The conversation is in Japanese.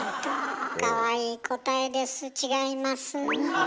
かわいい答えです違います。